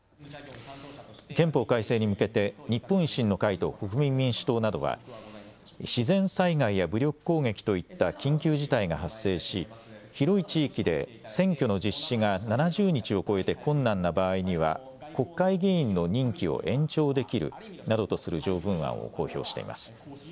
憲法改正に向けて日本維新の会と国民民主党などは自然災害や武力攻撃といった緊急事態が発生し広い地域で選挙の実施が７０日を超えて困難な場合には国会議員の任期を延長できるなどとする条文案を公表しています。